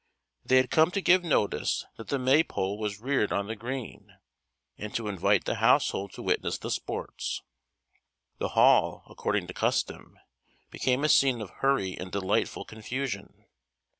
They had come to give notice that the May pole was reared on the green, and to invite the household to witness the sports. The Hall, according to custom, became a scene of hurry and delightful confusion.